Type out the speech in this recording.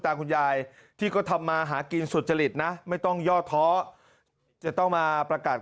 ตาคุณยายที่ก็ทำมาหากินสุจริตนะไม่ต้องย่อท้อจะต้องมาประกาศ